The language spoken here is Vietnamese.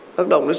tác động đến sức